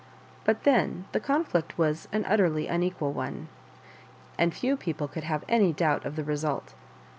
But then the conflict was an utterly unequal one, and few people could have any doubt of the result.